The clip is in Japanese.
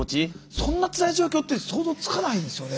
そんなつらい状況って想像つかないんですよね。